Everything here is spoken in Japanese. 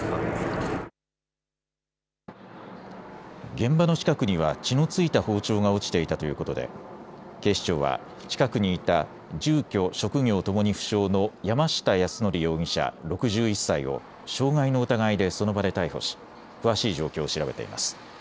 現場の近くには血の付いた包丁が落ちていたということで警視庁は近くにいた住居・職業ともに不詳の山下泰範容疑者６１歳を傷害の疑いでその場で逮捕し詳しい状況を調べています。